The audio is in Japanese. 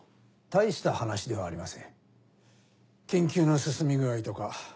大した話ではありません研究の進み具合とか。